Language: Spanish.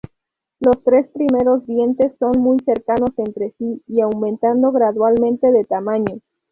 Los tres primeros dientes son muy cercanos entre sí y aumentando gradualmente de tamaño.